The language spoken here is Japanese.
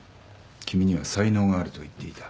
君には才能があると言っていた。